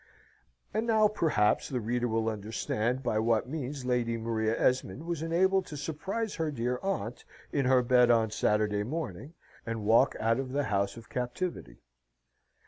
And now, perhaps, the reader will understand by what means Lady Maria Esmond was enabled to surprise her dear aunt in her bed on Saturday morning, and walk out of the house of captivity.